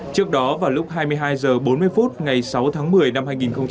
trước đó vào lúc hai mươi hai h bốn mươi phút ngày sáu tháng một mươi năm hai nghìn một mươi chín